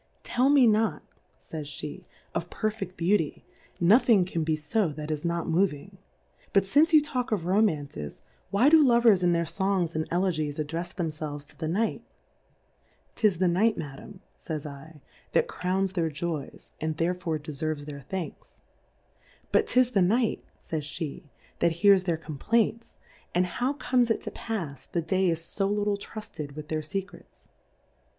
Tell me not, [ays Jbe^ of perfeft Beauty, nothing can be fo that is not moving. But fmce you talk of Romances, why do Lovers in their Songs and Elegies addrefs them felves to the Night ? 'Tis tlie Night, Madam, Jhys 7, that crowns their Joys, and therefore deferves their Thanks. But 'tis the Night, fays pe^ that hears their Complaints, and how comes it to pafs, the Day is fo httle trufted with their Secrets